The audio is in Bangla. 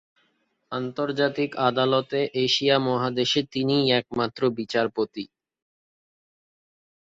আন্তর্জাতিক আদালতে এশিয়া মহাদেশে তিনিই একমাত্র বিচারপতি।